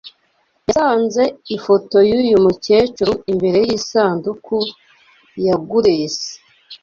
yasanze ifoto yuyu mukecuru imbere yisanduku ya guresi